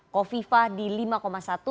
kofifa di lima satu